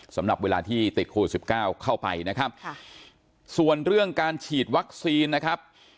สำหรับเวลาที่ติดโควิด๑๙เข้าไปนะครับส่วนเรื่องการฉีดวัคซีนนะครับ